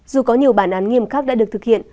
dù có nhiều bản án nghiêm khắc đã được thực hiện